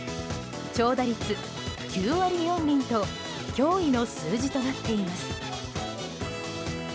長打率９割４厘と驚異の数字となっています。